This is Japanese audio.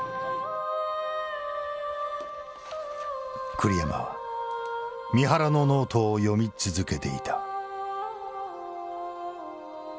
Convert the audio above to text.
栗山は三原のノートを読み続けていた。